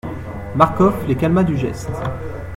Marcof les calma du geste.